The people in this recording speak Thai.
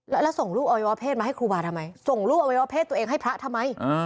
แล้วส่งลูกอวัยวะเพศมาให้ครูบาทำไมส่งลูกอวัยวะเพศตัวเองให้พระทำไม